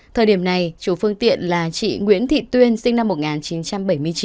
thời điểm này chủ phương tiện là chị nguyễn thị tuyên sinh năm một nghìn chín trăm bảy mươi chín